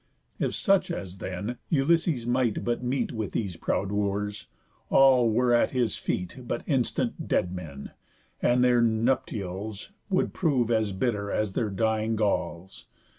If such as then Ulysses might but meet With these proud wooers, all were at his feet But instant dead men, and their nuptialls Would prove as bitter as their dying galls.